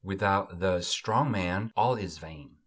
Without the "strong man" all is vain.